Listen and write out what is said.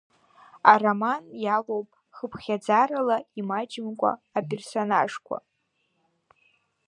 Ароман иалоуп хыԥхьаӡарала имаҷымкәа аперсонажқәа.